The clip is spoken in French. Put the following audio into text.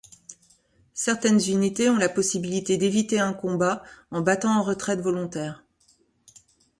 Certaine unités ont la possibilité d’éviter un combat en battant en retraite volontaire.